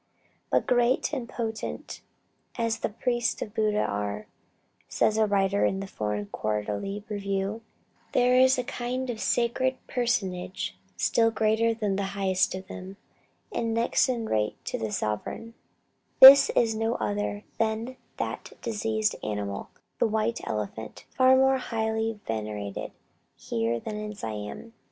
"But great and potent as the priests of Buddh are," says a writer in the Foreign Quarterly Review, "there is a kind of sacred personage still greater than the highest of them, and next in rank to the sovereign; this is no other than that diseased animal, the White Elephant, far more highly venerated here than in Siam.